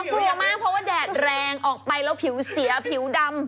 กลัวมากเพราะว่าแดดแรงออกไปแล้วผิวเสียผิวดำ